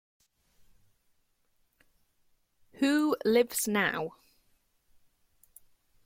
Who lives now?